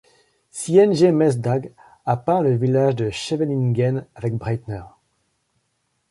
Sientje Mesdag a peint le village de Scheveningen avec Breitner.